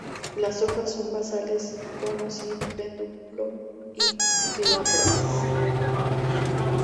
Las hojas son basales con o sin pedúnculo y glabras.